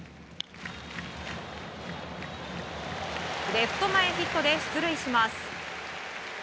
レフト前ヒットで出塁します。